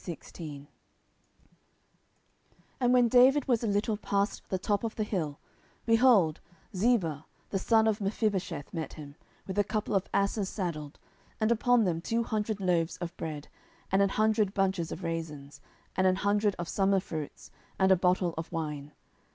10:016:001 And when David was a little past the top of the hill, behold, Ziba the servant of Mephibosheth met him, with a couple of asses saddled, and upon them two hundred loaves of bread, and an hundred bunches of raisins, and an hundred of summer fruits, and a bottle of wine.